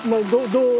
どう？